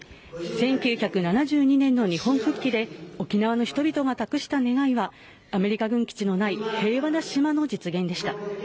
１９７２年の日本復帰で沖縄の人々が託した願いはアメリカ軍基地のない平和な島の実現でした。